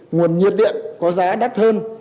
nguồn nhiệt điện có giá đắt hơn